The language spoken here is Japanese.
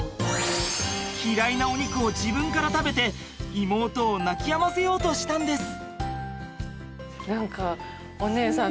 嫌いなお肉を自分から食べて妹を泣きやませようとしたんです。